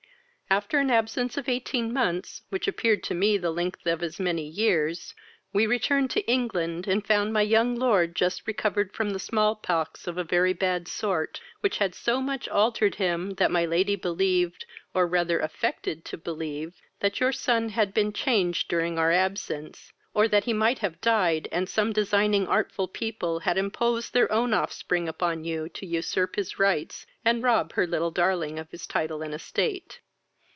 After an absence of eighteen months, which appeared to me the length of as many years, we returned to England, and found my young lord just recovered from the small pox, of a very bad sort, which had so much altered him, that my lady believed, or rather affected to believe, that your son had been changed during our absence, or that he might have died, and some designing artful people had imposed their own offspring upon you, to usurp his rights, and rob her little darling of his title and estate.